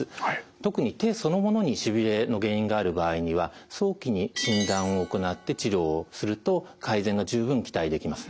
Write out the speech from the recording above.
特に手そのものにしびれの原因がある場合には早期に診断を行って治療をすると改善が十分期待できます。